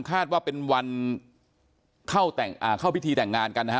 คาดว่าเป็นวันเข้าแต่งอ่าเข้าพิธีแต่งงานกันนะฮะ